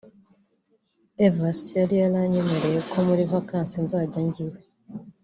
Evase yari yaranyemereye ko muri vacances nzajya njya iwe